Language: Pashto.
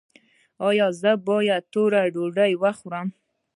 ایا زه باید توره ډوډۍ وخورم؟